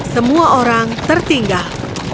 semua orang tertinggal